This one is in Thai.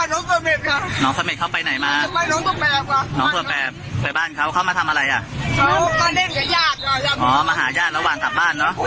มันถูกเหยียบเข้าไปแล้วก็ลากไปด้วยครับ